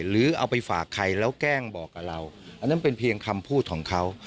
หรือเอาไปฝากใครแล้วแกล้งบอกกับเราอันนั้นเป็นเพียงคำพูดของเขา